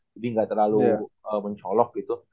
jadi gak terlalu mencolok gitu